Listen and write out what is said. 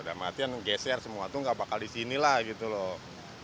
udah mati yang geser semua tuh gak bakal di sini lah gitu loh